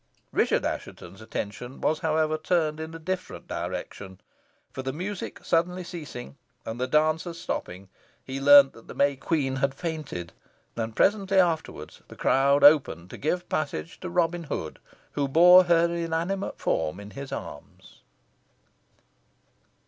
Richard Assheton's attention was, however, turned in a different direction, for the music suddenly ceasing, and the dancers stopping, he learnt that the May Queen had fainted, and presently afterwards the crowd opened to give passage to Robin Hood, who bore her inanimate form in his arms.